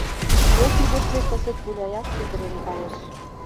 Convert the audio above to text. Поп ӱдыржӧ кызыт гуляяш шӱдырен кайыш...